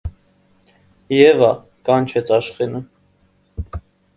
- Եվա,- կանչեց Աշխենը: